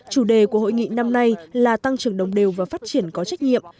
chủ đề của hội nghị năm nay là tăng trưởng đồng đều và phát triển có trách nhiệm